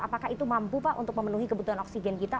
apakah itu mampu pak untuk memenuhi kebutuhan oksigen kita